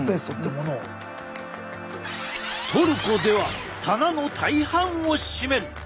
トルコでは棚の大半を占める！